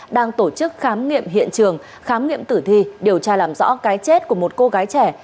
đang tổ chức khám nghiệm hiện trường khám nghiệm tử thi điều tra làm rõ cái chết của một cô gái trẻ